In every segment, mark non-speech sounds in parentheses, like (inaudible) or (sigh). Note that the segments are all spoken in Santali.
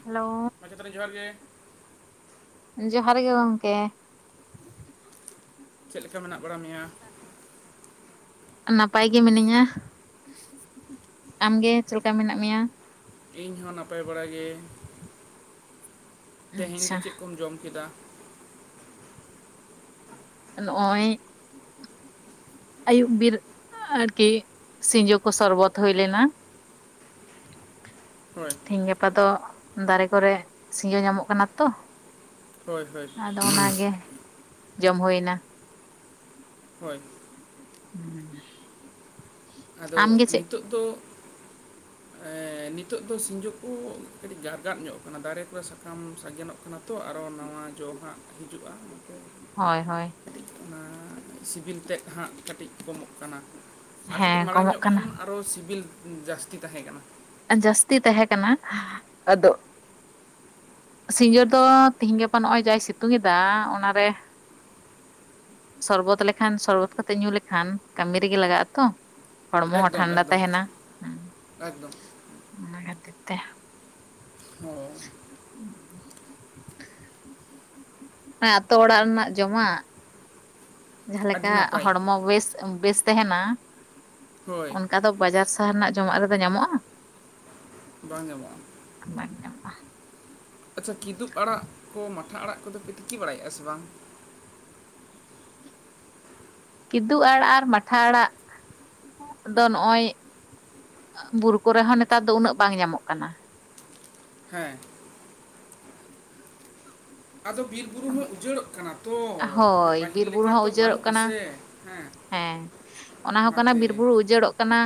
ᱦᱮᱞᱳ ᱡᱚᱦᱟᱨ ᱜᱮ ᱡᱚᱦᱟᱨ ᱜᱮ ᱜᱚᱝᱠᱮ ᱪᱮᱫ ᱞᱮᱠᱟ ᱢᱮᱱᱟᱜ ᱵᱟᱲᱟ ᱢᱮᱭᱟ᱾ ᱱᱟᱯᱟᱭ ᱜᱮ ᱢᱤᱱᱟᱹᱧᱟ ᱟᱢᱜᱮ ᱪᱮᱫ ᱞᱮᱠᱟ ᱢᱮᱱᱟᱜ ᱢᱮᱭᱟ᱾ ᱤᱧ ᱦᱚᱸ ᱱᱟᱯᱟᱭ ᱵᱟᱲᱟ ᱜᱮ ᱛᱮᱦᱮᱧ ᱫᱚ ᱟᱪᱪᱷᱟ ᱪᱮᱫ ᱠᱚᱢ ᱡᱚᱢ ᱠᱮᱫᱟ ᱱᱚᱜᱼᱚᱭ ᱟᱹᱭᱩᱵ ᱵᱤᱨ ᱟᱨᱠᱤ ᱥᱤᱸᱡᱳ ᱠᱚ ᱥᱚᱨᱵᱚᱛ ᱦᱩᱭ ᱞᱮᱱᱟ ᱦᱳᱭ (inaudible) ᱛᱮᱤᱦᱤᱧ ᱜᱟᱯᱟ ᱫᱚ ᱫᱟᱨᱮ ᱠᱚᱨᱮᱜ ᱥᱤᱭᱳ ᱧᱟᱢᱚᱜ ᱠᱟᱱᱟ ᱛᱚ ᱦᱳᱭ ᱦᱳᱭ ᱟᱫᱚ ᱚᱱᱟᱜᱮ ᱡᱚᱢ ᱦᱩᱭᱱᱟ᱾ ᱦᱳᱭ ᱦᱮᱸ (unintelligible) ᱟᱫᱚ ᱱᱤᱛᱚᱜ ᱫᱚ ᱟ (inaudible) ᱱᱤᱛᱚᱜ ᱫᱚ ᱥᱤᱸᱡᱳ ᱠᱚ ᱠᱟᱹᱴᱤᱡ ᱜᱟᱨᱠᱟᱫ ᱧᱚᱜ ᱠᱟᱱᱟ ᱫᱟᱨᱮ ᱠᱚᱨᱮ ᱥᱟᱠᱟᱢ ᱥᱟᱜᱮᱱᱚᱜ (unintelligible) ᱚᱱᱟ ᱛᱚ ᱟᱨᱚ ᱱᱟᱣᱟ ᱡᱚ ᱦᱟᱜ ᱦᱤᱡᱩᱜᱼᱟ ᱦᱳᱭ ᱦᱳᱭ (unintelligible) ᱚᱱᱟ ᱥᱤᱵᱤᱞ ᱛᱮᱫ ᱦᱟᱸᱜ ᱠᱟᱹᱴᱤᱡ ᱠᱚᱢᱚᱜ ᱠᱟᱱᱟ ᱟᱨ ᱠᱟᱹᱴᱤᱡ ᱦᱮᱸ ᱢᱟᱲᱟᱝ ᱠᱚᱢᱚᱜ ᱧᱚᱜ ᱠᱷᱟᱱ ᱠᱟᱱᱟ ᱟᱨᱚ ᱥᱤᱵᱤᱞ ᱡᱟᱹᱥᱛᱤ ᱛᱟᱦᱮᱸ ᱠᱟᱱᱟ ᱡᱟᱹᱥᱛᱤ ᱛᱟᱦᱮᱸ ᱠᱟᱱᱟ ᱟᱫᱚ ᱥᱤᱸᱡᱳ ᱫᱚ ᱛᱤᱦᱤᱧ ᱜᱟᱯᱟ ᱱᱚᱜᱼᱚᱭ ᱡᱟᱭ ᱥᱤᱛᱩᱝ ᱮᱫᱟ ᱚᱱᱟᱨᱮ ᱥᱚᱨᱵᱚᱛ ᱞᱮᱠᱷᱟᱱ ᱥᱚᱨᱵᱚᱛ ᱠᱟᱛᱮ ᱧᱩ ᱞᱮᱠᱷᱟᱱ ᱠᱟᱹᱢᱤ ᱨᱮᱜᱮ ᱞᱟᱜᱟᱜ ᱟ ᱛᱚ᱾ ᱦᱚᱲᱢᱚ ᱦᱚᱸ ᱮᱠᱫᱚᱢ ᱴᱷᱟᱱᱰᱟ ᱮᱠᱫᱚᱢ ᱛᱟᱦᱮᱸᱱᱟ ᱦᱚᱸ ᱚᱱᱟ ᱠᱷᱟᱹᱛᱤᱨ ᱛᱮ᱾ (unintelligible) ᱟᱹᱛᱳ ᱚᱲᱟᱜ ᱨᱮᱱᱟᱜ ᱡᱚᱢᱟᱜ ᱟᱹᱰᱤ ᱡᱟᱦᱟᱸᱞᱮᱠᱟ ᱱᱟᱯᱟᱭ ᱦᱚᱲᱢᱚ ᱵᱮᱥ ᱵᱮᱥ ᱛᱟᱦᱮᱸᱱᱟ ᱦᱳᱭ ᱚᱱᱠᱟ ᱫᱚ ᱵᱟᱡᱟᱨ (unintelligible) ᱨᱮᱱᱟᱜ ᱡᱚᱢᱟᱜ ᱨᱮᱫᱚ ᱧᱟᱢᱚᱜᱼᱟ ᱵᱟᱝ ᱧᱟᱢᱚᱜᱼᱟ ᱵᱟᱝ ᱧᱟᱢᱚᱜᱼᱟ ᱟᱪᱪᱷᱟ ᱠᱤᱫᱩᱵ ᱟᱲᱟᱜ ᱠᱚ ᱢᱟᱴᱷᱟ ᱟᱲᱟᱜ ᱠᱚᱫᱚ ᱯᱮ ᱛᱤᱠᱤ ᱵᱟᱲᱟᱭᱟ ᱥᱮ ᱵᱟᱝ ᱠᱤᱫᱩ ᱟᱲᱟᱜ ᱟᱨ ᱢᱟᱴᱷᱟ ᱟᱲᱟᱜ ᱫᱚ ᱱᱚᱜᱼᱚᱭ ᱵᱩᱨᱩ ᱠᱚᱨᱮ ᱦᱚᱸ ᱱᱮᱛᱟᱨ ᱫᱚ ᱩᱱᱟᱹᱜ ᱵᱟᱝ ᱧᱟᱢᱚᱜ ᱠᱟᱱᱟ ᱦᱮᱸ ᱟᱫᱚ ᱵᱤᱨ ᱵᱩᱨᱩ ᱦᱚᱸ ᱩᱡᱟᱹᱲ ᱚᱜ ᱠᱟᱱᱟ ᱛᱚ ᱢᱟᱱᱮ ᱦᱳᱭ ᱯᱟᱹᱦᱤᱞ ᱵᱤᱨ ᱵᱩᱨᱩ ᱞᱮᱠᱟ ᱦᱚᱸ ᱛᱚ ᱩᱡᱟᱹᱲᱚᱜ ᱵᱟᱹᱱᱩᱜ ᱠᱟᱱᱟ ᱟᱥᱮ ᱦᱮᱸ ᱦᱮᱸ ᱚᱱᱟ ᱦᱚᱸ ᱠᱟᱱᱟ ᱚᱱᱟᱛᱮ ᱵᱤᱨ ᱵᱩᱨᱩ ᱩᱡᱟᱹᱲ ᱚᱜ ᱠᱟᱱᱟ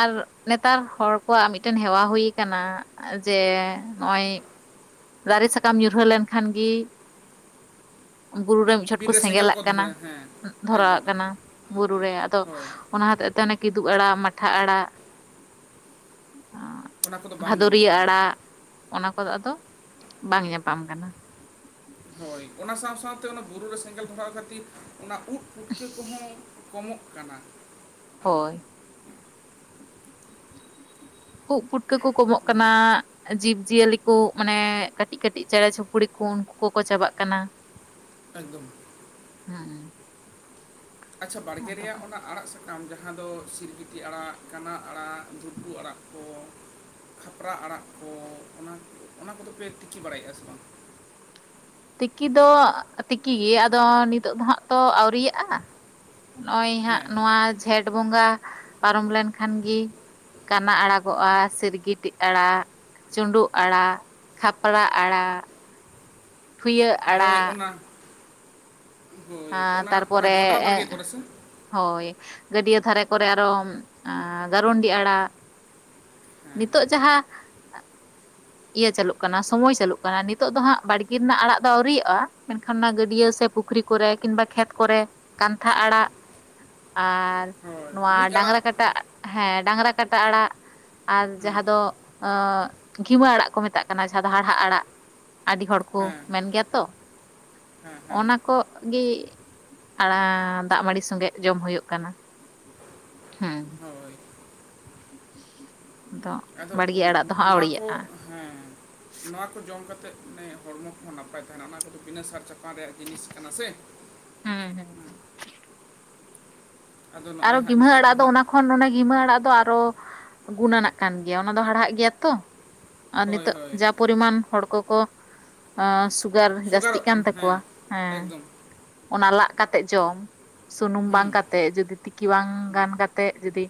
ᱟᱨ ᱱᱮᱛᱟᱨ ᱦᱚᱲ ᱠᱚᱣᱟᱜ ᱢᱤᱫᱴᱮᱱ ᱦᱮᱣᱟ ᱦᱩᱭ ᱠᱟᱱᱟ ᱡᱮ ᱱᱚᱜ-ᱚᱭ ᱫᱟᱨᱮ ᱥᱟᱠᱟᱢ ᱧᱩᱨᱦᱟᱹᱶ ᱞᱮᱱᱠᱷᱟᱱ ᱜᱮ ᱵᱩᱨᱩ ᱨᱮ ᱢᱤᱫ ᱪᱷᱚᱴ ᱠᱚ ᱥᱮᱸᱜᱮᱞ ᱟᱜ ᱠᱟᱱᱟ ᱮᱠᱫᱚᱢ ᱫᱷᱚᱨᱟᱣᱟᱜ ᱠᱟᱱᱟ ᱮᱠᱫᱚᱢ ᱵᱩᱨᱩ ᱨᱮ ᱟᱫᱚ ᱦᱳᱭ ᱚᱱᱟ ᱦᱚᱛᱮᱡ ᱛᱮ ᱚᱱᱮ (unintelligible) ᱠᱤᱫᱩᱜ ᱟᱲᱟᱜ ᱢᱟᱴᱷᱟ ᱟᱲᱟᱜ ᱚᱱᱟ ᱠᱚᱫᱚ ᱵᱟᱝ ᱧᱟᱢᱚᱜ ᱵᱷᱟᱫᱚᱨᱤᱭᱟᱹ ᱠᱟᱱᱟ ᱟᱲᱟᱜ ᱚᱱᱟ ᱠᱚᱫᱚ ᱟᱫᱚ ᱵᱟᱝ ᱧᱟᱯᱟᱢ ᱠᱟᱱᱟ᱾ ᱦᱳᱭ ᱚᱱᱟ ᱥᱟᱶ ᱥᱟᱶ ᱛᱮ ᱚᱱᱟ ᱵᱩᱨᱩ ᱨᱮ ᱥᱮᱸᱜᱮᱞ ᱫᱷᱚᱨᱟᱣ ᱠᱷᱟᱹᱛᱤᱨ ᱚᱱᱟ ᱩᱫ ᱯᱩᱴᱠᱟᱹ ᱠᱚᱦᱚᱸ ᱠᱚᱢᱚᱜ ᱠᱟᱱᱟ ᱦᱳᱭ᱾ ᱩᱫ ᱯᱩᱴᱠᱟᱹ ᱠᱚ ᱠᱚᱢᱚᱜ ᱠᱟᱱᱟ ᱡᱤᱵᱽ ᱡᱤᱭᱟᱹᱞᱤ ᱠᱚ ᱢᱟᱱᱮ ᱠᱟᱹᱴᱤᱡ ᱠᱟᱹᱴᱤᱡ ᱪᱮᱸᱬᱮ ᱪᱩᱯᱲᱤ ᱠᱚ ᱩᱱᱠᱩ ᱠᱚ ᱠᱚ ᱪᱟᱵᱟᱜ ᱠᱟᱱᱟ ᱮᱠᱫᱚᱢ ᱦᱮᱸ ᱟᱪᱪᱷᱟ ᱵᱟᱲᱹᱜᱮ ᱟᱫᱚ ᱨᱮᱭᱟᱜ ᱚᱱᱟ ᱟᱲᱟᱜ ᱥᱟᱠᱟᱢ ᱡᱟᱦᱟᱸ ᱫᱚ ᱥᱤᱨᱜᱤᱴᱤ ᱟᱲᱟᱜ ᱠᱟᱱᱟ ᱟᱲᱟᱜ ᱫᱷᱩᱴᱩ ᱟᱲᱟᱜ ᱠᱚ ᱠᱷᱟᱯᱨᱟ ᱟᱲᱟᱜ ᱠᱚ ᱚᱱᱟ ᱚᱱᱟ ᱠᱚᱫᱚ ᱯᱮ ᱛᱤᱠᱤ ᱵᱟᱲᱟᱭᱮᱭ-ᱟ ᱥᱮ ᱵᱟᱝ ᱛᱤᱠᱤ ᱫᱚ ᱛᱤᱠᱤ ᱜᱮ ᱟᱫᱚ ᱱᱤᱛᱚᱜ ᱫᱚᱦᱟᱸᱜ ᱛᱚ ᱟᱹᱣᱨᱤᱭᱟᱜ-ᱟ ᱱᱚᱜᱼᱚᱸᱭ ᱦᱟᱸᱜ ᱦᱮᱸ ᱱᱚᱣᱟ ᱡᱷᱮᱸᱴ ᱵᱚᱸᱜᱟ ᱯᱟᱨᱚᱢ ᱞᱮᱱᱠᱷᱟᱱ ᱜᱮ ᱠᱟᱱᱟ ᱟᱲᱟᱜᱚᱜ-ᱟ ᱥᱤᱨᱜᱤᱴᱤ ᱟᱲᱟᱜ ᱪᱩᱸᱰᱩᱜ ᱟᱲᱟᱜ ᱠᱷᱟᱯᱨᱟ ᱟᱲᱟᱜ ᱴᱷᱩᱭᱟᱹᱜ ᱦᱳᱭ ᱟᱲᱟᱜ ᱚᱱᱟ ᱟ ᱦᱳᱭ ᱚᱱᱟ ᱚᱱᱟ ᱛᱟᱨᱯᱚᱨᱮ ᱡᱚᱱᱰᱨᱟ ᱵᱟᱲᱜᱮ ᱠᱚᱨᱮ ᱥᱮ ᱦᱳᱭ ᱜᱟᱹᱰᱭᱟᱹ ᱫᱷᱟᱨᱮ ᱠᱚᱨᱮ ᱟᱨᱦᱚᱸ ᱜᱟᱨᱩᱱᱰᱤ ᱟᱲᱟᱜ ᱦᱮᱸ ᱱᱤᱛᱚᱜ ᱡᱟᱦᱟᱸ ᱤᱭᱟᱹ ᱪᱟᱹᱞᱩᱜ ᱠᱟᱱᱟ ᱥᱚᱢᱚᱭ ᱪᱟᱹᱞᱩᱜ ᱱᱤᱛᱳᱜ ᱫᱚ ᱦᱟᱸᱜ ᱵᱟᱲᱜᱮ ᱨᱮᱱᱟᱜ ᱟᱲᱟᱜ ᱫᱚ ᱟᱹᱣᱨᱤᱭᱟᱜ-ᱟ᱾ ᱢᱮᱱᱠᱷᱟᱱ ᱚᱱᱟ ᱜᱟᱹᱰᱭᱟᱹ ᱥᱮ ᱯᱩᱠᱷᱨᱤ ᱠᱚᱨᱮ ᱠᱤᱢᱵᱟ ᱠᱷᱮᱛ ᱠᱚᱨᱮ ᱠᱟᱱᱛᱷᱟ ᱟᱲᱟᱜ ᱟᱨ ᱦᱳᱭ ᱱᱚᱣᱟ ᱢᱩᱡ ᱟᱲᱟᱜ ᱰᱟᱝᱨᱟ ᱠᱟᱴᱟ ᱦᱮᱸ ᱰᱟᱝᱨᱟ ᱠᱟᱴᱟ ᱟᱲᱟᱜ ᱟᱨ ᱦᱮᱸ ᱡᱟᱦᱟᱸ ᱫᱚ (unintelligible) ᱠᱤᱢᱟ ᱟᱲᱟᱜ ᱠᱚ ᱢᱮᱛᱟᱜ ᱠᱟᱱᱟ ᱡᱟᱦᱟᱸ ᱫᱚ ᱦᱟᱲᱦᱟᱫ ᱟᱲᱟᱜ ᱟᱹᱰᱤ ᱦᱚᱲ ᱠᱚ ᱦᱮᱸ ᱢᱮᱱ ᱜᱮᱭᱟ ᱛᱚ ᱦᱮᱸ ᱦᱮᱸ ᱚᱱᱟ ᱠᱚᱜ ᱜᱮ ᱟᱲᱟᱜ ᱫᱟᱜ ᱢᱟᱹᱰᱤ ᱥᱚᱸᱜᱮ ᱡᱚᱢ ᱦᱩᱭᱩᱜ ᱠᱟᱱᱟ ᱦᱮᱸ ᱦᱳᱭ (unintelligible) ᱟᱫᱚ ᱵᱟᱲᱜᱮ ᱟᱲᱟᱜ ᱫᱚ ᱦᱟᱸᱜ ᱱᱚᱣᱟ ᱠᱚ ᱟᱹᱣᱲᱤᱭᱟᱜᱼᱟ ᱦᱮᱸ ᱱᱚᱣᱟ ᱠᱚ ᱡᱚᱢ ᱡᱚᱢ ᱠᱟᱛᱮ ᱦᱮᱸ ᱦᱚᱲᱢᱚ ᱠᱚ ᱱᱟᱯᱟᱭ ᱛᱟᱦᱮᱱᱟ ᱚᱱᱟ ᱠᱚᱫᱚ ᱵᱤᱱᱟᱹ ᱥᱟᱨ ᱪᱟᱥ ᱚᱠᱟ ᱨᱮᱭᱟᱜ ᱡᱤᱱᱤᱥ ᱠᱟᱱᱟ ᱥᱮ ᱦᱮᱸ ᱦᱮᱸ ᱟᱫᱚ ᱟᱨ ᱱᱚᱜᱼᱚᱭ ᱦᱚ ᱦᱟᱸᱜ ᱜᱤᱢᱦᱟᱹ ᱱᱤᱛᱚᱜ ᱟᱲᱟᱜ ᱫᱚ ᱦᱟᱸᱜ ᱚᱱᱟ ᱠᱷᱚᱱ ᱜᱤᱢᱦᱟᱹ ᱟᱲᱟᱜ ᱫᱚ ᱛᱚ ᱟᱨᱚ ᱜᱩᱱᱟᱱᱹᱚᱜ ᱠᱟᱱ ᱜᱮᱭᱟ ᱚᱱᱟ ᱫᱚ ᱦᱟᱲᱦᱟᱫ ᱜᱮᱭᱟ ᱛᱚ ᱟᱨ ᱦᱳᱭ ᱱᱤᱛᱳᱜ ᱦᱳᱭ ᱡᱟ ᱯᱚᱨᱤᱢᱟᱱ ᱦᱚᱲ ᱠᱚᱠᱚ ᱥᱩᱜᱟᱨ ᱡᱟᱹᱥᱛᱤᱜ ᱥᱩᱜᱟᱨᱚᱜ ᱠᱟᱱ ᱠᱟᱱᱟ ᱦᱮᱸ ᱛᱟᱠᱚᱣᱟ ᱦᱮᱸ ᱮᱠᱫᱚᱢ ᱚᱱᱟ ᱞᱟᱜ ᱠᱟᱛᱮ ᱡᱚᱢ ᱥᱩᱱᱩᱢ ᱵᱟᱝ ᱦᱩᱸ ᱠᱟᱛᱮ ᱡᱩᱫᱤ ᱛᱤᱠᱤ ᱠᱮᱣ ᱦᱩᱸ, ᱜᱟᱱ ᱠᱟᱛᱮ ᱡᱩᱫᱤ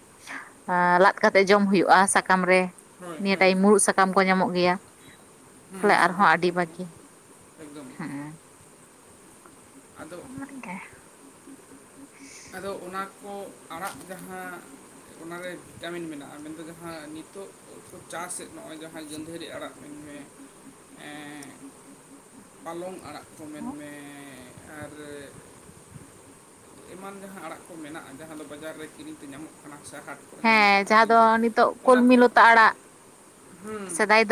ᱞᱟᱫ ᱠᱟᱛᱮ ᱡᱚᱢ ᱦᱩᱭᱩᱜᱼᱟ ᱥᱟᱠᱟᱢ ᱨᱮ ᱦᱳᱭ ᱱᱤᱭᱟᱹ ᱦᱳᱭ ᱴᱟᱭᱤᱢ ᱢᱩᱨᱩᱫ ᱥᱟᱠᱟᱢ ᱠᱚ ᱧᱟᱢᱚᱜ ᱜᱮᱭᱟ ᱛᱟᱦᱚᱞᱮ ᱦᱩᱸ ᱥᱟᱨᱡᱚᱢ ᱟᱨᱦᱚᱸ ᱟᱹᱰᱤ ᱥᱟᱠᱟᱢ ᱠᱚ ᱵᱟᱠᱤ ᱮᱠᱫᱚᱢ ᱦᱮᱸ ᱟᱫᱚ ᱚᱱᱟᱜᱮ ᱟᱫᱚ ᱚᱱᱟ ᱠᱚ ᱟᱲᱟᱜ ᱡᱟᱦᱟᱸ ᱚᱱᱟᱨᱮ ᱵᱷᱤᱴᱟᱢᱤᱱ ᱢᱮᱱᱟᱜᱼᱟ ᱢᱮᱱᱫᱚ ᱡᱟᱦᱟᱸ ᱱᱤᱛᱚᱜ ᱪᱟᱥ ᱮᱫ ᱱᱚᱜᱼᱚᱭ ᱡᱟᱦᱟᱸ ᱜᱟᱹᱫᱷᱟᱹᱨᱤ ᱟᱲᱟᱜ ᱢᱮᱱ ᱢᱮ ᱯᱟᱞᱚᱝ ᱟᱲᱟᱜ ᱠᱚ ᱢᱮᱱᱢᱮ ᱟᱨ ᱮᱢᱟᱱ ᱡᱟᱦᱟᱸ ᱟᱲᱟᱜ ᱠᱚ ᱢᱮᱱᱟᱜᱼᱟ ᱡᱟᱦᱟᱸ ᱫᱚ ᱵᱟᱡᱟᱨ ᱨᱮ ᱠᱤᱨᱤᱧ ᱛᱮ ᱧᱟᱢᱚᱜ ᱠᱟᱱᱟ ᱥᱮ ᱦᱟᱴ ᱠᱚᱨᱮ ᱧᱟᱢ ᱦᱮᱸ ᱡᱟᱦᱟᱸ ᱫᱚ ᱟᱠᱷᱨᱤᱧ ᱛᱮ ᱱᱤᱛᱚᱜ ᱚᱱᱟ ᱠᱚᱞᱢᱤ ᱠᱚᱨᱮ ᱞᱚᱛᱟ ᱟᱲᱟᱜ ᱦᱮᱸ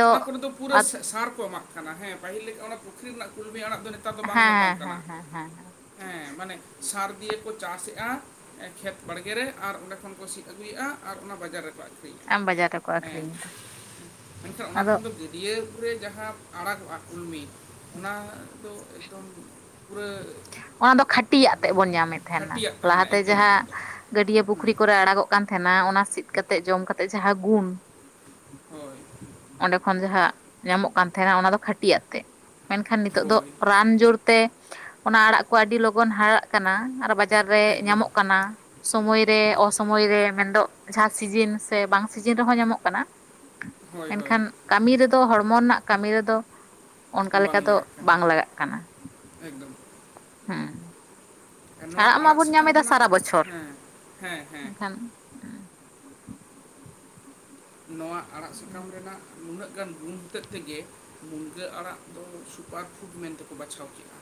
ᱚᱱᱟ ᱠᱚᱨᱮ ᱫᱚ ᱯᱩᱨᱟᱹ ᱦᱮᱸ ᱥᱟᱨ ᱠᱚ ᱮᱢᱟᱜ ᱠᱟᱱᱟ ᱦᱮᱸ ᱯᱟᱹᱦᱤᱞ ᱞᱮᱠᱟ ᱚᱱᱟ ᱯᱩᱠᱷᱨᱤ ᱨᱮᱱᱟᱜ ᱠᱚ ᱯᱩᱨᱟ. ᱭ ᱟᱲᱟᱜ ᱫᱚ ᱱᱮᱛᱟᱨ ᱫᱚ ᱵᱟᱝ ᱧᱟᱯᱟᱢ ᱦᱮᱸ ᱠᱟᱱᱟ ᱦᱮᱸ ᱦᱮᱸ ᱦᱮᱸ ᱦᱮ ᱢᱟᱱᱮ ᱥᱟᱨᱫᱤᱭᱟᱹ ᱟᱥᱮᱜᱼᱟ ᱠᱷᱮᱛ ᱵᱟᱲᱜᱮ ᱨᱮ ᱟᱨ ᱚᱸᱰᱮ ᱠᱷᱚᱱ ᱠᱚ ᱥᱤᱫ ᱟᱹᱜᱩᱭᱮᱫᱼᱟ ᱟᱨ ᱚᱱᱟ ᱵᱟᱡᱟᱨ ᱨᱮᱠᱚᱼᱟ ᱟᱢ ᱵᱟᱡᱟᱨ ᱨᱮᱠᱚ ᱦᱮᱸ ᱟᱠᱷᱨᱤᱧ ᱮᱫᱟ ᱢᱮᱱᱠᱷᱟᱱ ᱚᱱᱟ ᱟᱫᱚ ᱠᱷᱚᱱ ᱫᱚ ᱜᱟᱹᱰᱭᱟᱹ ᱯᱩᱠᱷᱨᱤ ᱨᱮ ᱡᱟᱦᱟᱸ ᱟᱲᱟᱜᱚᱜᱼᱟ ᱠᱩᱞᱢᱤ ᱚᱱᱟ ᱫᱚ ᱮᱠᱫᱚᱢ ᱯᱩᱨᱟᱹ ᱚᱱᱟ ᱫᱚ ᱠᱷᱟᱹᱴᱤᱭᱟᱜ ᱛᱮᱫ ᱵᱚᱱ ᱧᱟᱢᱮᱫ ᱛᱟᱦᱮᱱᱟ ᱠᱷᱟᱹᱴᱤᱭᱟᱜ ᱛᱟᱦᱮᱱᱟ ᱞᱟᱦᱟᱛᱮ ᱮᱠᱫᱚᱢ ᱡᱟᱦᱟᱸ ᱮᱠᱫᱚᱢ ᱜᱟᱹᱰᱭᱟᱹ ᱦᱩᱸ ᱯᱩᱠᱷᱨᱤ ᱠᱚᱨᱮ ᱟᱲᱟᱜᱚᱜ ᱠᱟᱱ ᱛᱟᱦᱮᱱᱟ ᱚᱱᱟ ᱥᱤᱫ ᱠᱟᱛᱮ ᱡᱚᱢ ᱠᱟᱛᱮ ᱡᱟᱦᱟᱸ ᱜᱩᱱ ᱦᱳᱭ ᱚᱸᱰᱮ ᱡᱟᱦᱟᱸ ᱧᱟᱢᱚᱜ ᱠᱟᱱ ᱛᱟᱦᱮᱱᱟ ᱚᱱᱟ ᱫᱚ ᱠᱷᱟᱹᱴᱟᱜ ᱛᱮ ᱢᱮᱱᱠᱷᱟᱱ ᱱᱤᱛᱚᱜ ᱫᱚ ᱦᱳᱭ ᱨᱟᱱ ᱡᱳᱨ ᱛᱮ ᱚᱱᱟ ᱟᱲᱟᱜ ᱠᱚ ᱟᱹᱰᱤ ᱞᱚᱜᱚᱱ ᱦᱟᱨᱟᱜ ᱠᱟᱱᱟ ᱟᱨ ᱵᱟᱡᱟᱨ ᱨᱮ ᱮᱠᱫᱚᱢ ᱧᱟᱢᱚᱜ ᱠᱟᱱᱟ ᱥᱚᱢᱚᱭᱨᱮ ᱚᱥᱚᱢᱚᱭ ᱨᱮ ᱢᱮᱱᱫᱚ ᱡᱟᱦᱟᱸ ᱥᱤᱡᱤᱱ ᱥᱮ ᱵᱟᱝ ᱥᱤᱡᱮᱱ ᱨᱮᱦᱚᱸ ᱧᱟᱢᱚᱜ ᱠᱟᱱᱟ ᱦᱳᱭ ᱦᱳᱭ ᱢᱮᱱᱠᱷᱟᱱ ᱠᱟᱹᱢᱤ ᱨᱮᱫᱚ ᱦᱚᱲᱢᱚ ᱨᱮᱱᱟᱜ ᱠᱟᱹᱢᱤ ᱨᱮᱫᱚ ᱚᱱᱠᱟ ᱞᱮᱠᱟ ᱵᱟᱝ ᱫᱚ ᱞᱟᱜᱟᱜ ᱠᱟᱱᱟ ᱵᱟᱝ ᱞᱟᱜᱟᱜ ᱠᱟᱱᱟ ᱮᱠᱫᱚᱢ ᱦᱮᱸ ᱟᱨ ᱱᱚᱣᱟ ᱟᱲᱟᱜ ᱢᱟᱵᱚᱱ ᱧᱟᱢ ᱥᱟᱠᱟᱢ ᱮᱫᱟ ᱨᱮᱱᱟᱜ ᱥᱟᱨᱟ ᱵᱚᱪᱷᱚᱨ ᱦᱮᱸ ᱦᱮᱸ ᱦᱮᱸ ᱮᱱᱠᱷᱟᱱ ᱱᱚᱣᱟ ᱟᱲᱟᱜ ᱥᱟᱠᱟᱢ ᱨᱮᱱᱟᱜ ᱱᱩᱱᱟᱹᱜ ᱛᱤᱱᱟᱹᱜ ᱜᱟᱱ ᱜᱩᱱ ᱦᱚᱛᱮᱡ ᱛᱮᱜᱮ ᱢᱩᱱᱜᱟᱹ ᱟᱲᱟᱜ ᱫᱚ ᱥᱩᱯᱟᱨ ᱯᱷᱩᱰ ᱢᱮᱱᱛᱮᱠᱚ ᱵᱟᱪᱷᱟᱣ ᱠᱮᱫᱼᱟ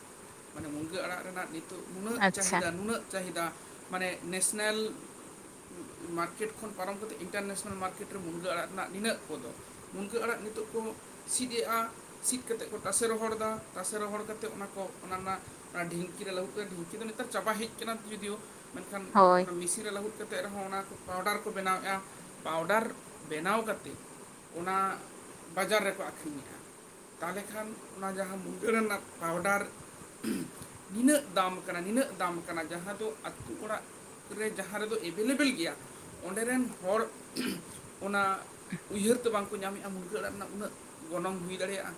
ᱢᱟᱱᱮ ᱢᱩᱱᱜᱟᱹ ᱟᱲᱟᱜ ᱨᱮᱱᱟᱜ ᱱᱤᱛᱚᱜ ᱱᱩᱱᱟᱹᱜ ᱟᱪᱪᱷᱟ ᱪᱟᱹᱦᱤᱫᱟ ᱱᱩᱱᱟᱹᱜ ᱪᱟᱹᱦᱤᱫᱟ ᱢᱟᱱᱮ ᱱᱮᱥᱱᱮᱞ ᱢᱟᱨᱠᱮᱴ ᱠᱷᱚᱱ ᱯᱟᱨᱚᱢ ᱠᱟᱛᱮ ᱤᱱᱴᱟᱨᱱᱮᱥᱱᱮᱞ ᱢᱟᱨᱠᱮᱴ ᱢᱩᱱᱜᱟᱹ ᱟᱲᱟᱜ ᱨᱮᱱᱟᱜ ᱱᱤᱱᱟᱹᱜ ᱠᱚᱫᱚ ᱢᱩᱱᱜᱟᱹ ᱟᱲᱟᱜ ᱱᱤᱛᱚᱜ ᱠᱚ ᱥᱤᱫ ᱮᱫᱼᱟ ᱥᱤᱫ ᱠᱟᱛᱮ ᱠᱚ ᱛᱟᱥᱮ ᱨᱚᱦᱚᱲ ᱫᱟ ᱛᱟᱥᱮ ᱨᱚᱦᱚᱲ ᱠᱟᱛᱮ ᱚᱱᱟ ᱠᱚ ᱚᱱᱟ ᱨᱮᱱᱟᱜ ᱚᱱᱟ ᱰᱷᱤᱝᱠᱤ ᱨᱮ ᱞᱟᱹᱦᱩᱫᱽ ᱠᱮᱫᱟ ᱰᱷᱤᱝᱠᱤ ᱫᱚ ᱱᱮᱛᱟᱨ ᱪᱟᱵᱟ ᱦᱮᱡ ᱟᱠᱟᱱᱟ ᱡᱳᱫᱤᱭᱳ ᱢᱮᱱᱠᱷᱟᱱ ᱦᱳᱭ ᱚᱱᱟ ᱢᱮᱥᱤᱱ ᱨᱮ ᱞᱟᱹᱦᱩᱫ ᱠᱟ ᱠᱟᱛᱮᱫ ᱨᱮᱦᱚᱸ ᱚᱱᱟ ᱯᱟᱣᱰᱟᱨ ᱠᱚ ᱵᱮᱱᱟᱣᱮᱫᱼᱟ ᱯᱟᱣᱰᱟᱨ (inaudible) ᱵᱮᱱᱟᱣ ᱠᱟᱛᱮᱫ ᱚᱱᱟ ᱵᱟᱡᱟᱨ ᱨᱮᱠᱚ ᱟᱠᱷᱨᱤᱧᱮᱫᱼᱟ ᱛᱟᱦᱞᱮ ᱠᱷᱟᱱ ᱚᱱᱟ ᱡᱟᱦᱟᱸ ᱢᱩᱱᱜᱟᱹ ᱟᱲᱟᱝ ᱨᱮᱱᱟᱜ ᱯᱟᱣᱰᱟᱨ ᱱᱤᱱᱟᱹᱜ ᱫᱟᱢ ᱠᱟᱱᱟ ᱱᱤᱱᱟᱹᱜ ᱫᱟᱢ ᱠᱟᱱᱟ ᱡᱟᱦᱟᱸ ᱫᱚ ᱟᱛᱳ ᱚᱲᱟᱜ ᱨᱮ ᱡᱟᱦᱟᱸ ᱨᱮᱫᱚ ᱮᱵᱮᱞ ᱮᱵᱮᱞ ᱜᱮᱭᱟ ᱚᱸᱰᱮ ᱨᱮᱱ ᱦᱚᱲ ᱚᱱᱟ ᱩᱭᱦᱟᱹᱨ ᱫᱚ ᱵᱟᱝᱠᱚ ᱧᱟᱢᱮᱜᱼᱟ ᱢᱩᱱᱜᱟᱹ ᱟᱲᱟᱜ ᱨᱮᱱᱟᱜ ᱩᱱᱟᱹᱜ ᱜᱚᱱᱚᱝ ᱦᱩᱭ ᱫᱟᱲᱮᱭᱟᱜᱼᱟ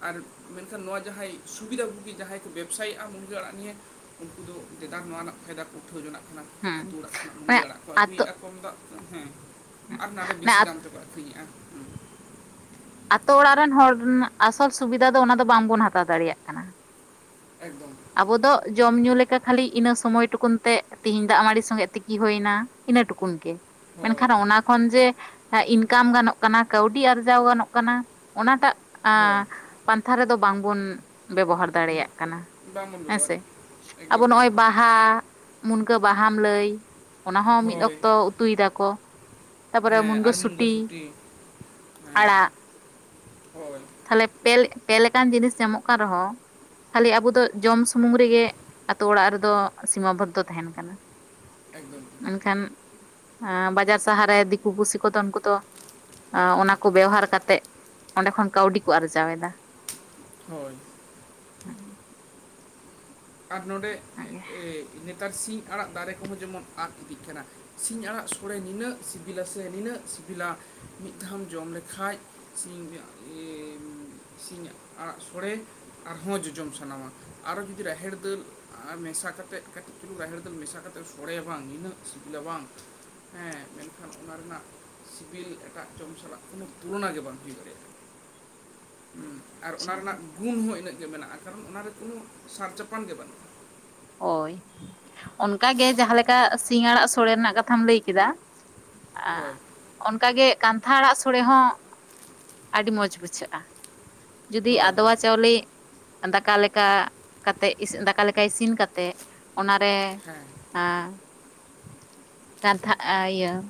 ᱟᱨ ᱢᱮᱱᱠᱷᱟᱱ ᱱᱚᱣᱟ ᱡᱟᱦᱟᱸᱭ ᱥᱩᱵᱤᱫᱷᱟ ᱵᱩᱜᱤ ᱡᱟᱦᱟᱸᱭ ᱠᱚ ᱵᱮᱵᱽᱥᱟᱭᱮᱫᱼᱟ ᱢᱩᱱᱜᱟᱹ ᱟᱲᱟᱜ ᱱᱤᱭᱮ ᱩᱱᱠᱩ ᱫᱚ ᱫᱮᱫᱟ ᱱᱚᱣᱟ ᱨᱮᱱᱟᱜ ᱯᱷᱟᱭᱫᱟ ᱩᱴᱷᱟᱹᱣ ᱡᱚᱱᱟᱜ ᱦᱮᱸ ᱟᱹᱛᱳ ᱚᱲᱟᱜ ᱠᱷᱚᱱᱟᱜ ᱢᱟᱱᱮ ᱢᱩᱱᱜᱟᱹ ᱟᱲᱟᱜ ᱠᱚ ᱟᱛᱳ ᱟᱹᱜᱩᱭᱮᱫᱼᱟ ᱠᱚᱢ ᱫᱟᱜ ᱦᱮᱸ ᱟᱨ ᱱᱚᱰᱮ ᱢᱟᱱᱮ ᱵᱤᱥᱤ ᱫᱟᱢ ᱛᱮᱠᱚ ᱟᱠᱷᱨᱤᱧ ᱦᱩᱭᱩᱜᱼᱟ ᱦᱮᱸ (unintelligible) ᱟᱛᱳ ᱚᱲᱟᱜ ᱨᱮᱱ ᱦᱚᱲ ᱟᱥᱚᱞ ᱥᱩᱵᱤᱫᱷᱟ ᱫᱚ ᱚᱱᱟ ᱫᱚ ᱵᱟᱝᱵᱚᱱ ᱦᱟᱛᱟᱣ ᱫᱟᱲᱮᱭᱟᱜ ᱠᱟᱱᱟ ᱮᱠᱫᱚᱢ (inaudible) ᱟᱵᱚ ᱫᱚ ᱡᱚᱢ ᱧᱩ ᱞᱮᱠᱟ ᱠᱷᱟᱹᱞᱤ ᱤᱱᱟᱹ ᱥᱚᱢᱚᱭ ᱴᱩᱠᱩᱱ ᱛᱮ ᱛᱤᱦᱤᱧ ᱫᱟᱜ ᱢᱟᱹᱲᱤ ᱥᱚᱸᱜᱮ ᱛᱮᱠᱤ ᱦᱩᱭᱱᱟ ᱤᱱᱟᱹ ᱴᱩᱠᱩᱱ ᱜᱮ ᱦᱳᱭ ᱢᱮᱱᱠᱷᱟᱱ ᱚᱱᱟ ᱠᱷᱚᱱ ᱡᱮ ᱟᱜ ᱤᱱᱠᱟᱢ ᱜᱟᱱᱚᱜ ᱠᱟᱱᱟ ᱠᱟᱹᱣᱰᱤ ᱟᱨᱡᱟᱣ ᱜᱟᱱᱚᱜ ᱠᱟᱱᱟ ᱚᱱᱟᱴᱟᱜ ᱮ ᱦᱳᱭ ᱯᱟᱱᱛᱷᱟ ᱨᱮᱫᱚ ᱵᱟᱝᱵᱚᱱ ᱵᱮᱵᱚᱦᱟᱨ ᱦᱩᱸ, ᱫᱟᱲᱮᱭᱟᱜ ᱠᱟᱱᱟ ᱵᱟᱝᱵᱚᱱ ᱦᱮᱸᱥᱮ ᱵᱮᱵᱚᱦᱟᱨᱮᱫ ᱟᱵᱚ ᱮᱠᱫᱚᱢ ᱱᱚᱜᱼᱚᱭ ᱮᱠᱫᱚᱢ ᱵᱟᱦᱟ ᱢᱩᱱᱜᱟᱹ ᱵᱟᱦᱟᱢ ᱞᱟᱹᱭ ᱚᱱᱟᱦᱚᱸ ᱢᱤᱫ ᱦᱳᱭ ᱚᱠᱛᱚ ᱩᱛᱩᱭ ᱫᱟᱠᱚ ᱛᱟᱨᱯᱚᱨᱮ ᱢᱩᱱᱜᱟᱹ ᱥᱩᱴᱤ ᱦᱮᱸ ᱟᱲᱟᱜ ᱦᱳᱭ ᱛᱟᱦᱚᱞᱮ ᱯᱮ ᱯᱮ ᱞᱮ ᱠᱟᱱ ᱡᱤᱱᱤᱥ ᱧᱟᱢᱚᱜ ᱠᱟᱱ ᱨᱮᱦᱚᱸ ᱠᱷᱟᱹᱞᱤ ᱟᱵᱚ ᱫᱚ ᱡᱚᱢ ᱥᱩᱢᱩᱝ ᱨᱮᱜᱮ ᱟᱛᱳ ᱚᱲᱟᱜ ᱨᱮᱫᱚ ᱥᱤᱢᱟ ᱵᱚᱫᱽᱫᱷᱚ ᱛᱟᱦᱮᱱ ᱠᱟᱱᱟ ᱮᱠᱫᱚᱢ ᱢᱮᱱᱠᱷᱟᱱ (inaudible) ᱵᱟᱡᱟᱨ ᱥᱟᱦᱟᱨ ᱨᱮ ᱫᱤᱠᱩ ᱯᱩᱥᱤ ᱠᱚᱫᱚ ᱩᱱᱠᱩ ᱫᱚ ᱚᱱᱟ ᱠᱚ ᱵᱮᱣᱦᱟᱨ ᱠᱟᱛᱮᱫ ᱚᱰᱮᱸ ᱠᱷᱚᱱ ᱠᱟᱹᱣᱰᱤ ᱠᱚ ᱟᱨᱡᱟᱣ ᱮᱫᱟ ᱦᱳᱭ ᱟᱨ ᱱᱚᱸᱰᱮ ᱚᱱᱟᱜᱮ ᱱᱮᱛᱟᱨ ᱥᱤᱧ ᱟᱲᱟᱜ ᱫᱟᱨᱮ ᱠᱚᱦᱚᱸ ᱡᱮᱢᱚᱱ ᱟᱫ ᱤᱫᱤᱜ ᱠᱟᱱᱟ ᱥᱤᱧ ᱟᱲᱟᱜ ᱥᱳᱲᱮ ᱱᱤᱱᱟᱹᱜ ᱥᱤᱵᱤᱞᱟ ᱥᱮ ᱱᱤᱱᱟᱹᱜ ᱥᱤᱵᱤᱞᱟ ᱢᱤᱫ ᱫᱷᱟᱣᱢ ᱡᱚᱢ ᱞᱮᱠᱷᱟᱱ ᱠᱷᱟᱡ ᱥᱤᱧ ᱟᱲᱟᱜ ᱥᱳᱚᱲᱮ ᱟᱨᱦᱚᱸ ᱡᱚᱡᱚᱢ ᱥᱟᱱᱟᱣᱟ ᱟᱨᱚ ᱜᱤᱫᱽᱨᱟᱹ ᱦᱮᱲ ᱫᱟᱹᱞ ᱟᱨ ᱢᱮᱥᱟ ᱠᱟᱛᱮᱫ ᱠᱟᱹᱴᱤᱡ ᱪᱩᱞᱩᱝ ᱨᱟᱦᱮᱲ ᱫᱟᱹᱞ ᱢᱮᱥ ᱠᱟᱛᱮ ᱥᱚᱲᱮᱭᱟ ᱵᱟᱝ ᱱᱤᱱᱟᱹᱜ ᱥᱤᱵᱤᱞᱟ ᱵᱟᱝ ᱦᱮᱸ ᱢᱮᱱᱠᱷᱟᱱ ᱚᱱᱟ ᱨᱮᱱᱟᱜ ᱥᱤᱵᱤᱞ ᱮᱴᱟᱜ ᱡᱚᱢ ᱥᱟᱞᱟᱜ ᱠᱳᱱᱳ ᱛᱩᱞᱚᱱᱟ ᱜᱮ ᱵᱟᱝ ᱦᱩᱭ ᱫᱟᱲᱮᱭᱟᱜᱼᱟ (inaudible) ᱟᱨ ᱚᱱᱟ ᱟᱪᱪᱷᱟ ᱨᱮᱱᱟᱜ ᱜᱩᱱ ᱦᱚᱸ ᱤᱱᱟᱹᱜ ᱜᱮ ᱢᱮᱱᱟᱜᱼᱟ ᱠᱟᱨᱚᱱ ᱚᱱᱟᱨᱮ ᱠᱳᱱᱳ ᱥᱟᱨ ᱪᱟᱯᱟᱱ ᱜᱮ ᱵᱟᱹᱱᱩᱜᱼᱟ ᱦᱳᱭ ᱚᱱᱠᱟᱜᱮ ᱡᱟᱦᱟᱸᱮ ᱞᱮᱠᱟ ᱥᱤᱧ ᱟᱲᱟᱜ ᱥᱳᱲᱮ ᱨᱮᱱᱟᱜ ᱠᱟᱛᱷᱟᱢ ᱞᱟᱹᱭ ᱠᱮᱫᱟ ᱦᱳᱭ ᱚᱱᱠᱟᱟᱜ ᱜᱮ ᱠᱟᱱᱛᱷᱟ ᱟᱲᱟᱜ ᱥᱳᱲᱮ ᱦᱚᱸ ᱟᱹᱰᱤ ᱢᱚᱸᱡᱽ ᱵᱩᱡᱷᱟᱹᱜᱼᱟ ᱡᱩᱫᱤ ᱦᱳᱭ ᱟᱫᱣᱟ ᱦᱳᱭ ᱪᱟᱣᱞᱮ ᱫᱟᱠᱟ ᱞᱮᱠᱟ ᱠᱟᱛᱮ ᱫᱟᱠᱟᱮ ᱞᱮᱠᱟ ᱤᱥᱤᱱ ᱠᱟᱛᱮ ᱛᱮ ᱚᱱᱟᱨᱮ ᱦᱮᱸ ᱠᱟᱛᱷᱟ ᱤᱭᱟᱹ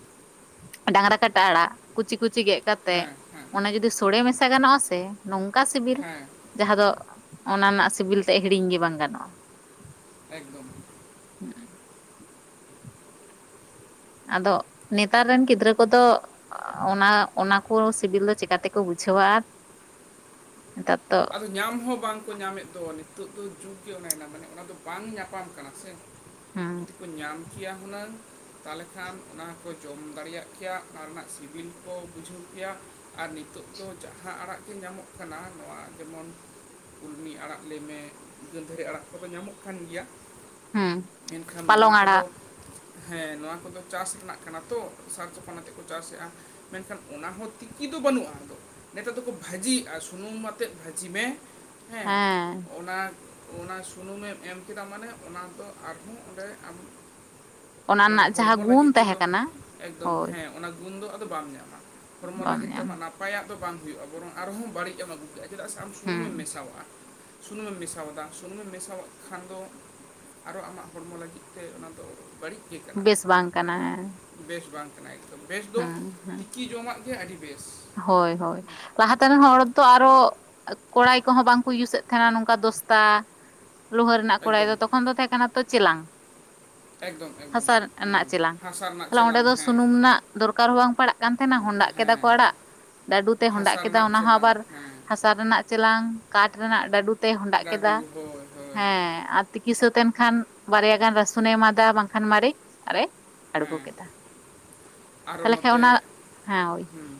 ᱰᱟᱝᱨᱟ ᱠᱟᱴᱟ ᱟᱲᱟᱜ ᱠᱩᱪᱤ ᱠᱩᱪᱤ ᱜᱮ ᱠᱟᱛᱮ ᱦᱮᱸ ᱦᱮᱸ ᱚᱱᱮ ᱡᱩᱫᱤ ᱥᱳᱲᱮ ᱢᱮᱥᱟ ᱜᱟᱱᱚᱜᱼᱟ ᱥᱮ ᱱᱚᱝᱠᱟ ᱥᱤᱵᱤᱞ ᱦᱮᱸ ᱡᱟᱦᱟᱸ ᱫᱚ ᱚᱱᱟ ᱨᱮᱱᱟᱜ ᱥᱤᱵᱤᱞ ᱛᱮ ᱦᱤᱲᱤᱧ ᱜᱮ ᱵᱟᱝ ᱜᱟᱱᱚᱜᱼᱟ ᱮᱠᱫᱚᱢ ᱦᱩᱸ ᱟᱫᱚ ᱱᱮᱛᱟᱨ ᱨᱮᱱ ᱜᱤᱫᱽᱨᱟᱹ ᱠᱚᱫᱚ ᱚᱱᱟ ᱚᱱᱟ ᱠᱩ ᱥᱤᱵᱤᱞ ᱫᱚ ᱪᱮᱠᱟᱛᱮᱠᱚ ᱵᱩᱡᱷᱟᱹ ᱥᱷᱣᱟᱛ ᱟᱫᱚ ᱧᱟᱢ ᱦᱚᱸ ᱵᱟᱝᱠᱚ ᱧᱟᱢᱮᱫ ᱫᱚ ᱱᱤᱛᱚᱜ ᱫᱚ ᱡᱩᱜ ᱜᱮ ᱚᱱᱟᱭᱮᱱᱟ ᱢᱟᱱᱮ ᱚᱱᱟ ᱫᱚ ᱵᱟᱝ ᱧᱟᱯᱟᱢ ᱠᱟᱱᱟ ᱥᱮ ᱦᱩᱸ ᱡᱩᱫᱤ ᱠᱚ ᱧᱟᱢ ᱠᱮᱭᱟ ᱦᱩᱱᱟᱹᱝ ᱛᱟᱦᱚᱞᱮ ᱠᱷᱟᱱ ᱚᱱᱟ ᱠᱚ ᱡᱚᱢ ᱫᱟᱲᱮᱭᱟᱜ ᱠᱮᱭᱟ ᱚᱱᱟ ᱨᱮᱱᱟᱜ ᱥᱤᱵᱤᱞ ᱠᱚ ᱵᱩᱡᱷᱟᱹᱣ ᱠᱮᱭᱟ ᱟᱨ ᱱᱤᱛᱚᱜ ᱫᱚ ᱡᱟᱦᱟᱸ ᱟᱲᱟᱜ ᱜᱮ ᱧᱟᱢᱚᱜ ᱠᱟᱱᱟ ᱱᱚᱣᱟ ᱡᱮᱢᱚᱱ ᱠᱩᱞᱢᱤ ᱟᱲᱟᱜ ᱞᱟᱹᱭᱢᱮ ᱜᱟᱫᱷᱟᱹᱨᱤ ᱟᱲᱟᱜ ᱠᱚᱫᱚ ᱧᱟᱢᱚᱜ ᱠᱟᱱ ᱜᱮᱭᱟ ᱦᱩᱸ ᱢᱮᱱᱠᱷᱟᱱ ᱯᱟᱞᱚᱝ ᱱᱚᱣᱟ ᱟᱲᱟᱜ ᱠᱚᱫᱚ ᱦᱮᱸ ᱱᱚᱣᱟ ᱠᱚᱫᱚ ᱪᱟᱥ ᱨᱮᱱᱟᱜ ᱠᱟᱱᱟ ᱛᱚ ᱥᱟᱨ ᱪᱚᱯ ᱟᱛᱮᱜ ᱠᱚ ᱪᱟᱥᱮᱫᱼᱟ ᱢᱮᱱᱠᱷᱟᱱ ᱚᱱᱟ ᱦᱚᱸ ᱛᱤᱠᱤᱱ ᱵᱟᱹᱱᱩᱜᱼᱟ ᱱᱤᱛᱟᱨ ᱫᱚᱠᱚ ᱵᱷᱟᱹᱡᱤᱭᱜᱼᱟ ᱥᱩᱱᱩᱢ ᱠᱟᱛᱮᱫ ᱵᱷᱟᱹᱡᱤ ᱢᱮ ᱦᱮᱸ ᱚᱱᱟ ᱚᱱᱟ ᱥᱩᱱᱩᱢ ᱮᱢ ᱠᱮᱫᱟ ᱢᱟᱱᱮ ᱚᱱᱟ ᱫᱚ ᱟᱨᱦᱚᱸ ᱚᱸᱰᱮ ᱟᱢ ᱚᱱᱟ ᱢᱟᱱᱮ ᱨᱮᱱᱟᱜ ᱡᱟᱦᱟᱸ ᱦᱚᱲᱢᱚ ᱜᱩᱱ ᱞᱟᱹᱜᱤᱫ ᱛᱟᱦᱮᱸ ᱛᱮᱫᱚ ᱠᱟᱱᱟ ᱮᱠᱫᱚᱢ ᱦᱳᱭ ᱦᱮᱸ ᱚᱱᱟ ᱜᱩᱱ ᱫᱚ ᱟᱫᱚ ᱵᱟᱢ ᱧᱟᱢᱟ ᱦᱚᱲᱢᱚ ᱵᱟᱢ ᱞᱟᱹᱜᱤᱫ ᱛᱮ ᱧᱟᱢ ᱟᱢᱟᱜ ᱱᱟᱯᱟᱭᱟᱜ ᱫᱚ ᱵᱟᱝ ᱦᱩᱭᱩᱜᱼᱟ ᱵᱚᱨᱚᱝ ᱟᱨᱦᱚᱸ ᱵᱟᱹᱲᱤᱡ ᱮᱢ ᱟᱹᱜᱩ ᱠᱟᱜ ᱪᱮᱫᱟᱜ ᱥᱮ ᱟᱢ ᱥᱩᱱᱩᱢ ᱦᱩᱸ ᱮᱢ ᱢᱮᱥᱟᱣᱟᱜᱼᱟ ᱥᱩᱱᱩᱢ ᱮᱢ ᱢᱮᱥᱟᱣᱫᱟ ᱥᱩᱱᱩᱢ ᱮᱢ ᱢᱮᱥᱟᱣᱟᱜ ᱠᱷᱟᱱ ᱫᱚ ᱟᱨᱦᱚ ᱟᱢᱟᱜ ᱦᱚᱲᱢᱚ ᱞᱟᱹᱜᱤᱫ ᱛᱮ ᱚᱱᱟᱫᱚ ᱵᱟᱹᱲᱤᱡ ᱠᱟᱱᱟ ᱵᱮᱥ ᱵᱟᱝ ᱠᱟᱱᱟ ᱦᱮᱸ ᱵᱮᱥ ᱵᱟᱝ ᱠᱟᱱᱟ ᱮᱠᱫᱚᱢ ᱵᱮᱥ ᱫᱚ ᱦᱮᱸ ᱦᱮᱸ ᱛᱤᱠᱤ ᱡᱚᱢᱟᱜ ᱜᱮ ᱟᱹᱰᱤ ᱵᱮᱥ ᱦᱳᱭ ᱦᱳᱭ ᱞᱟᱦᱟᱛᱮᱱ ᱦᱚᱲ ᱟᱨᱚᱦᱚᱸ ᱠᱚᱲᱟᱭ ᱠᱚᱦᱚᱸ ᱵᱟᱝᱠᱚ ᱤᱭᱩᱥ ᱮᱫ ᱛᱟᱦᱮᱱᱟ ᱱᱚᱝᱠᱟ ᱫᱚᱥᱛᱟ ᱞᱳᱦᱟᱹ ᱨᱮᱱᱟᱜ ᱠᱚᱲᱟᱭ ᱮᱠᱫᱚᱢ ᱫᱚ ᱛᱚᱠᱷᱚᱱ ᱫᱚ ᱛᱟᱦᱮᱸ ᱠᱟᱱᱟ ᱛᱚ ᱪᱮᱞᱟᱝ ᱮᱠᱫᱚᱢ ᱮᱠᱫᱚᱢ ᱦᱟᱥᱟ ᱦᱮᱸ ᱨᱮᱱᱟᱜ ᱪᱮᱞᱟᱝ ᱦᱟᱥᱟ ᱨᱮᱱᱟᱜ ᱛᱟᱞᱮ ᱚᱸᱰᱮ ᱪᱮᱞᱟᱝ ᱫᱚ ᱦᱮᱸ ᱥᱩᱱᱩᱢ ᱨᱮᱱᱟᱜ ᱫᱚᱨᱠᱟᱨ ᱦᱚᱸ ᱵᱟᱝ ᱯᱟᱲᱟᱜ ᱠᱟᱱ ᱛᱟᱦᱮᱸᱱᱟ ᱦᱚᱸᱰᱟᱜ ᱠᱮᱫᱮᱫᱟ ᱠᱚ ᱦᱮᱸ ᱟᱲᱟᱜ ᱰᱟᱹᱰᱩ ᱛᱮ ᱦᱚᱰᱟᱜ ᱦᱟᱥᱟ ᱠᱮᱫᱟ ᱨᱮᱱᱟᱜ ᱚᱱᱟ ᱦᱚᱸ ᱪᱮᱞᱟᱝ ᱟᱵᱟᱨ ᱦᱮᱸ ᱦᱟᱥᱟ ᱨᱮᱱᱟᱜ ᱪᱮᱞᱟᱝ ᱠᱟᱴ ᱨᱮᱱᱟᱜ ᱰᱟᱹᱰᱩ ᱛᱮ ᱦᱚᱸᱰᱟᱜ ᱜᱟᱹᱰᱩ ᱠᱮᱫᱟ ᱦᱳᱭ ᱦᱳᱭ ᱦᱮᱸ ᱟᱨ ᱛᱤᱠᱤ ᱥᱟ ᱛᱮ ᱮᱱᱠᱷᱟᱱ ᱵᱟᱨᱭᱟ ᱜᱟᱱ ᱨᱟᱹᱥᱩᱱᱮ ᱮᱢᱟᱫᱟ ᱵᱟᱝᱠᱷᱟᱱ ᱢᱟᱨᱤᱪ ᱟᱨᱮ ᱟᱬᱜᱳ ᱠᱮᱫᱟ ᱟᱨᱦᱚ ᱛᱟᱦᱞᱮ ᱠᱷᱟᱱ ᱱᱚᱛᱮ ᱚᱱᱟ ᱦᱮᱸ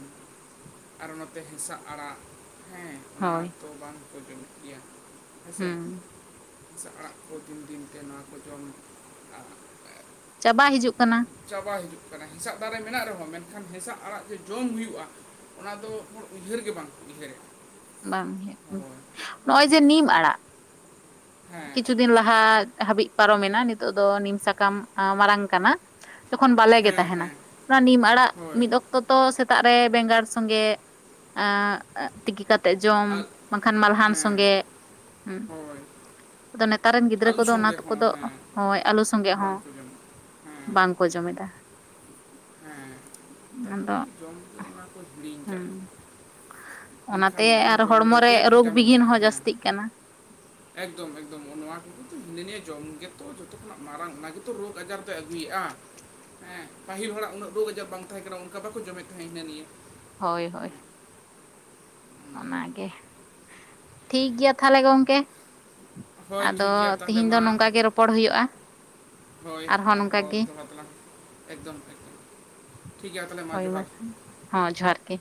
ᱟᱨᱦᱚ ᱱᱚᱛᱮ ᱦᱮᱸᱥᱟᱜ ᱟᱲᱟᱜ ᱦᱮᱸ ᱚᱱᱟ ᱦᱳᱭ ᱛᱚ ᱵᱟᱝᱠᱚ ᱡᱚᱢᱮᱫ ᱜᱮᱭᱟ ᱦᱩᱸ ᱦᱮᱸᱥᱮ ᱟᱲᱟᱜ ᱠᱚ ᱫᱤᱱ ᱫᱤᱱᱛᱮ ᱱᱚᱣᱟ ᱠᱚ ᱡᱚᱢᱼᱟ ᱪᱟᱵᱟ ᱦᱤᱡᱩᱜ ᱠᱟᱱᱟ ᱦᱮᱥᱟᱜ ᱫᱟᱨᱮ ᱢᱮᱱᱟᱜ ᱨᱮᱦᱚᱸ ᱢᱮᱱᱠᱷᱟᱱ ᱦᱮᱸᱥᱟᱜ ᱟᱲᱟᱜ ᱡᱮ ᱡᱚᱢ ᱦᱩᱭᱩᱜᱼᱟ ᱚᱱᱟ ᱫᱚ ᱦᱚᱲ ᱩᱭᱦᱟᱹᱨ ᱜᱮ ᱵᱟᱝᱠᱚ ᱩᱭᱦᱟᱹᱨᱮᱜᱼᱟ ᱵᱟᱝ (unintelligible) ᱦᱳᱭ ᱱᱚᱜᱼᱚᱭ ᱡᱮ ᱱᱤᱢ ᱟᱲᱟᱜ ᱦᱮᱸ ᱠᱤᱪᱷᱩ ᱫᱤᱱ ᱞᱟᱦᱟ ᱦᱟᱹᱵᱤᱡ ᱯᱟᱨᱚᱢᱮᱱᱟ ᱱᱤᱛᱚᱜ ᱫᱚ ᱱᱤᱢ ᱥᱟᱠᱟᱢ ᱢᱟᱨᱟᱲᱟᱝ ᱠᱟᱱᱟ ᱡᱚᱠᱷᱚᱱ ᱵᱟᱞᱮᱜ ᱜᱮ ᱦᱮᱸ ᱛᱟᱦᱮᱸᱱᱟ ᱦᱮᱸ ᱚᱱᱟ ᱱᱤᱢ ᱟᱲᱟᱜ ᱦᱳᱭ ᱢᱤᱫ ᱚᱠᱛᱚ ᱛᱚ ᱥᱮᱛᱟᱜ ᱨᱮ ᱵᱮᱸᱜᱟᱲ ᱥᱚᱸᱜᱮ ᱛᱤᱠᱤ ᱠᱟᱛᱮ ᱡᱚᱢ ᱟᱨ ᱵᱟᱝᱠᱷᱟᱱ ᱢᱟᱞᱦᱟᱱ ᱦᱮᱸ ᱥᱚᱸᱜᱮ ᱦᱳᱭ ᱟᱫᱚ ᱱᱮᱛᱟᱨ ᱨᱮᱱ ᱜᱤᱫᱽᱨᱟᱹ ᱟᱹᱞᱩ ᱠᱚᱫᱚ ᱚᱱᱟ ᱥᱚᱸᱜᱮ ᱦᱚᱸ ᱠᱚᱫᱚ ᱦᱮᱸ ᱦᱳᱭ ᱟᱹᱞᱩ ᱥᱚᱸᱜᱮ ᱦᱚᱸ ᱵᱟᱝᱠᱚ ᱡᱚᱢᱟ ᱦᱮᱸ ᱵᱟᱝᱠᱚ ᱡᱚᱢ ᱮᱫᱟ ᱦᱮᱸ ᱛᱟᱯᱚᱨ ᱡᱚᱢ ᱚᱱᱟ ᱠᱚ ᱦᱤᱲᱤᱧ ᱠᱟᱫ ᱠᱟᱱᱟ ᱦᱩᱸ ᱚᱱᱟᱛᱮ ᱟᱨ ᱦᱚᱲᱢᱚ ᱨᱮ ᱨᱳᱜᱽ ᱵᱷᱤᱴᱟᱢᱤᱱ ᱵᱤᱜᱷᱤᱱ ᱢᱮᱱᱟᱜᱼᱟ ᱦᱚᱸ ᱦᱮᱸ ᱡᱟᱹᱥᱛᱤᱜ ᱠᱟᱱᱟ ᱮᱠᱫᱚᱢ ᱮᱠᱫᱚᱢ ᱱᱚᱣᱟ ᱠᱚ ᱠᱤᱱᱛᱩ ᱦᱤᱱᱟᱹ ᱱᱤᱭᱟᱹᱮ ᱡᱚᱢ ᱜᱮ ᱚ ᱡᱚᱛᱚ ᱠᱷᱚᱱᱟᱜ ᱢᱟᱨᱟᱝ ᱚᱱᱟᱜᱮᱛᱚ ᱨᱳᱜᱽ ᱟᱡᱟᱨ ᱫᱚᱭ ᱟᱹᱜᱩᱭᱮᱫᱼᱟ ᱦᱮᱸ ᱯᱟᱹᱦᱤᱞ ᱦᱚᱲᱟᱜ ᱩᱱᱟᱹᱜ ᱨᱳᱜᱽ ᱟᱡᱟᱨ ᱵᱟᱝ ᱛᱟᱦᱮᱸ ᱠᱟᱱᱟ ᱚᱱᱠᱟ ᱵᱟᱠᱚ ᱡᱚᱢᱮᱫ ᱛᱟᱦᱮᱸᱜ ᱦᱤᱱᱟᱹ ᱱᱤᱭᱟᱹ ᱦᱳᱭ ᱦᱳᱭ ᱦᱮᱸ ᱚᱱᱟᱜᱮ ᱴᱷᱤᱠ ᱜᱮᱭᱟ ᱛᱟᱦᱚᱞᱮ ᱜᱚᱢᱠᱮ ᱦᱳᱭ ᱟᱫᱚ ᱴᱷᱤᱠ ᱜᱮᱭᱟ ᱛᱟᱦᱚᱞᱮ ᱛᱤᱦᱤᱧ ᱫᱚ ᱢᱟ ᱱᱚᱝᱠᱟ ᱜᱮ ᱨᱚᱯᱚᱲ ᱦᱩᱭᱩᱜᱼᱟ ᱦᱳᱭ ᱱᱚᱝᱠᱟ ᱟᱨᱦᱚᱸ ᱜᱮ ᱫᱚᱦᱲᱟ ᱛᱮᱞᱟᱝ ᱮᱠᱫᱚᱢ ᱮᱠᱫᱚᱢ ᱴᱷᱤᱠ ᱜᱮᱭᱟ ᱛᱟᱦᱚᱞᱮ ᱦᱳᱭ ᱢᱟ ᱡᱚᱦᱟᱨ ᱛᱚ ᱦ ᱡᱚᱦᱟᱨ ᱜᱮ